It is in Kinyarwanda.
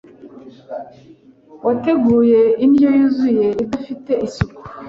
wateguye indyo yuzuye idafite isuku